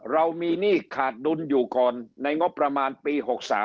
เรามีหนี้ขาดดุลอยู่ก่อนในงบประมาณปี๖๓